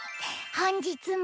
本日も。